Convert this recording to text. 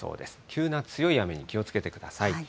急な強い雨に気をつけてください。